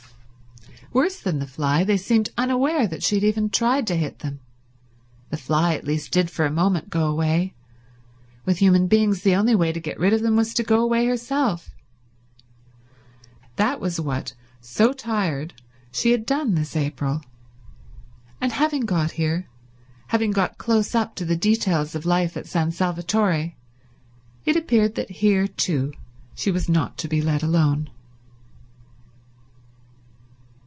Worse than the fly, they seemed unaware that she had even tried to hit them. The fly at least did for a moment go away. With human beings the only way to get rid of them was to go away herself. That was what, so tired, she had done this April; and having got here, having got close up to the details of life at San Salvatore, it appeared that here, too, she was not to be let alone.